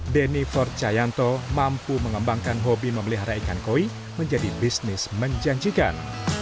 denny for cayanto mampu mengembangkan hobi memelihara ikan koi menjadi bisnis menjanjikan